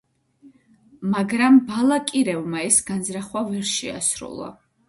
მაგრამ ბალაკირევმა ეს განზრახვა ვერ შეასრულა.